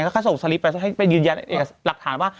แล้วก็ส่งสลิปไปให้ไปยืนยันหลักฐานว่า